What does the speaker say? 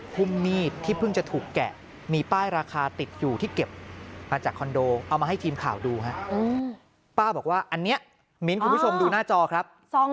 คุณพิชงดูหน้าจอครับ